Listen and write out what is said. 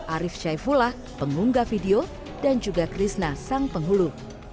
arief syaifulah pengungga video dan juga krishna sang penghulu